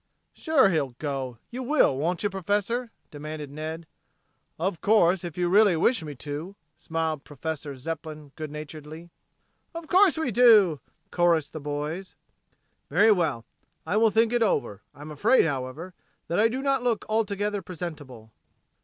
"Sure. He'll go. You will, won't you, Professor?" demanded Ned. "Of course, if you really wish me to " smiled Professor Zepplin good naturedly. "Of course we do," chorused the boys. "Very well, I will think it over. I'm afraid, however, that I do not look altogether presentable."